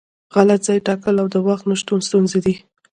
غلط ځای ټاکل او د وخت نشتون ستونزې دي.